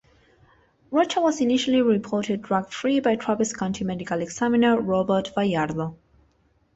Rocha was initially reported drug-free by Travis County Medical Examiner Robert Bayardo.